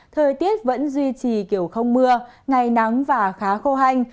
thời tiết vẫn duy trì kiểu không mưa ngày nắng và khá khô hành